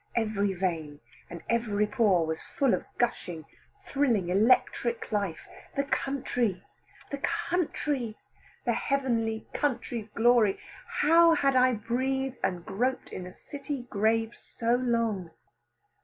Every vein and every pore was full of gushing thrilling electric life. The country, the country! the heavenly country's glory! how had I breathed and groped in the city grave so long?